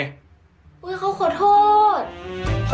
เฮ้ยเขาขอโทษ